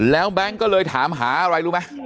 แล้วแบงค์ก็เลยถามหาอะไรรู้ไหม